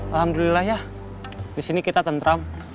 alhamdulillah ya di sini kita tentram